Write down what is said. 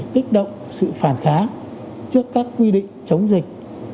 kích động sự phản kháng trước các quy định chống dịch